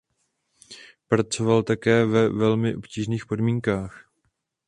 Pracoval také ve velmi obtížných podmínkách.